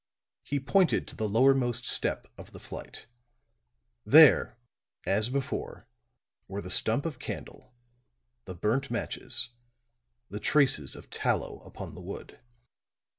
He pointed to the lowermost step of the flight; there, as before, were the stump of candle, the burnt matches, the traces of tallow upon the wood.